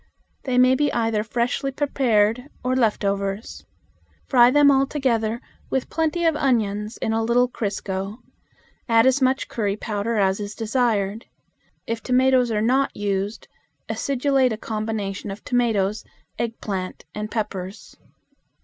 They may be either freshly prepared or left overs. Fry them all together with plenty of onions in a little crisco; add as much curry powder as is desired. If tomatoes are not used, acidulate a combination of tomatoes, eggplant, and peppers.